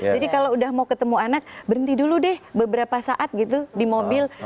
kalau udah mau ketemu anak berhenti dulu deh beberapa saat gitu di mobil